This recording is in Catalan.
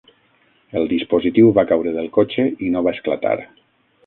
El dispositiu va caure del cotxe i no va esclatar.